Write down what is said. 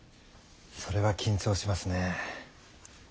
それは緊張しますね。